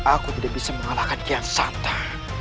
aku tidak bisa mengalahkan kian santa